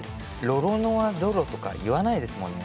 ロロノア・ゾロとか言わないですもんね